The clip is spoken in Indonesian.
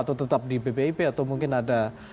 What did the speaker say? atau tetap di bpip atau mungkin ada